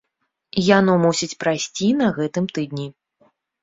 Яно мусіць прайсці на гэтым тыдні.